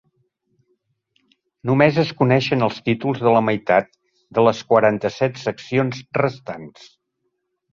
Només es coneixen els títols de la meitat de les quaranta-set seccions restants.